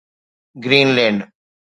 green land